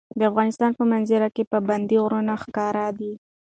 د افغانستان په منظره کې پابندی غرونه ښکاره ده.